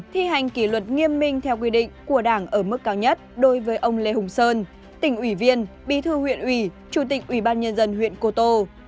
theo quy định của đảng ở mức cao nhất đối với ông lê hùng sơn tỉnh ủy viên bí thư huyện ủy chủ tịch ủy ban nhân dân huyện cô tô